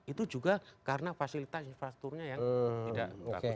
itu juga karena fasilitas infrastrukturnya yang tidak bagus